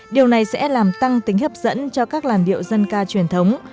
điều này sẽ làm tăng tính hấp dẫn cho các làn điệu dân ca truyền thống